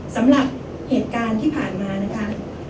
สำหรับเหตุการณ์ที่ผ่านมานะคะ